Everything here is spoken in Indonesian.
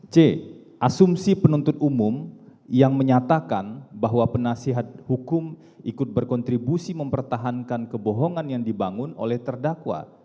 c asumsi penuntut umum yang menyatakan bahwa penasihat hukum ikut berkontribusi mempertahankan kebohongan yang dibangun oleh terdakwa